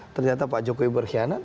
ternyata pak jokowi berkhianat